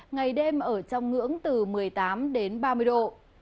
ngày đêm ở trong ngưỡng từ một mươi tám đến ba mươi độ